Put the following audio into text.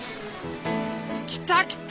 きたきた！